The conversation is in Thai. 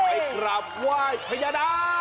ปลาให้กราบว่ายพญานาค